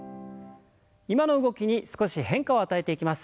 今の動きに少し変化を与えていきます。